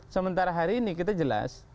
sementara hari ini kita jelas